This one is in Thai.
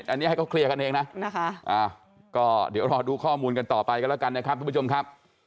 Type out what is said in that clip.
อันนี้ให้เขาเคลียร์กันเองนะนะคะก็เดี๋ยวรอดูข้อมูลกันต่อไปกันแล้วกันนะครับทุกผู้ชมครับ